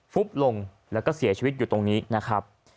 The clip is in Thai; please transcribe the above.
ฟุบลงแล้วก็เสียชีวิตอยู่ตรงนี้นะครับ